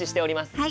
はい。